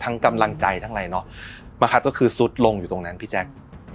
กำลังใจทั้งอะไรเนาะบังคับก็คือซุดลงอยู่ตรงนั้นพี่แจ๊ค